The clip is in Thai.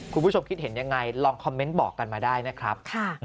คุณผู้ชมคิดเห็นยังไงลองคอมเมนต์บอกกันมาได้นะครับ